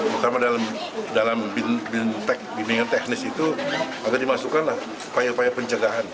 pertama dalam bimbingan teknis itu maka dimasukkanlah upaya upaya pencegahan